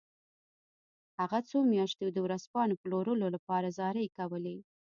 هغه څو میاشتې د ورځپاڼو پلورلو لپاره زارۍ کولې